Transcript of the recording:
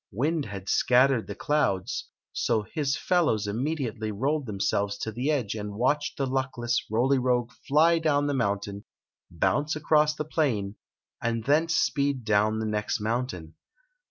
Wind had scattered the clouds, so his fellows imme diately rolled themselves to the edge and watched the luckless Roly Rogue fly down the mountain, bounce across the plain, and thence speed down die next mountain.